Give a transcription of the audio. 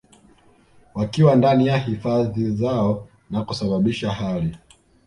wakiwa ndani ya hifadhi zao na kusababisha hali